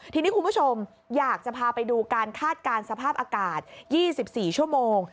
ทีนี้คุณผู้ชมอยากจะพาไปดูการคาดการณ์สภาพอากาศ๒๔ชั่วโมง